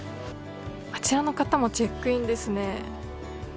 あちらの方もチェックインですね。